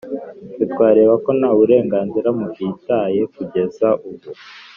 Twe twareba ko ntaburenganzira mufitaye kugeza ubu